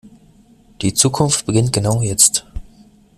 Die Zukunft beginnt genau jetzt.